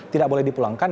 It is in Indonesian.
tidak boleh dipulangkan